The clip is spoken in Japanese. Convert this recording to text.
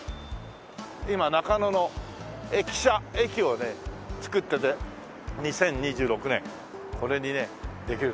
今中野の駅舎駅をね造ってて２０２６年これにねできる。